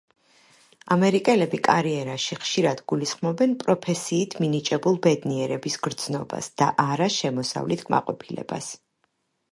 ამერიკელები კარიერაში ხშირად გულისხმობენ პროფესიით მინიჭებულ ბედნიერების გრძნობას და არა შემოსავლით კმაყოფილებას.